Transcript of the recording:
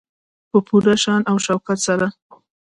په پوره شان او شوکت سره.